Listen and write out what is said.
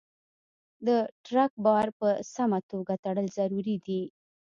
د ټرک بار په سمه توګه تړل ضروري دي.